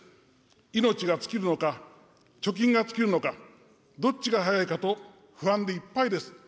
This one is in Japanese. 命が尽きるのか、貯金が尽きるのか、どっちが早いかと不安でいっぱいです。